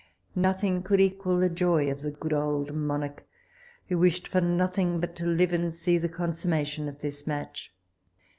Nothing could equal the joy of the good old monarch, who wished for nothing but to live to see the consummation of this match.